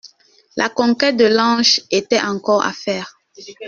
La conquête de l'ange était encore à faire.